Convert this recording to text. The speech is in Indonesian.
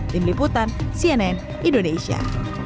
tim liputan cnn indonesia